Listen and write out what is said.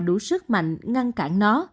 bệnh nhiễm đầy đủ sức mạnh ngăn cản nó